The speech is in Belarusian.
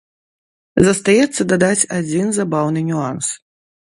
Застаецца дадаць адзін забаўны нюанс.